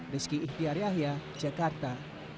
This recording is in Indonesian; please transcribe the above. rizky ihtiar yahya jakarta